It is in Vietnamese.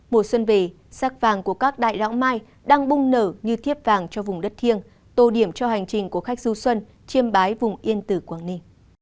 mùa xuân về sắc vàng của các đại lão mai đang bung nở như thiếp vàng cho vùng đất thiêng tô điểm cho hành trình của khách du xuân chiêm bái vùng yên tử quảng ninh